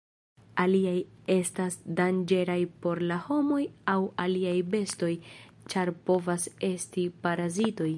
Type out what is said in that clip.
Aliaj estas danĝeraj por la homoj aŭ aliaj bestoj, ĉar povas esti parazitoj.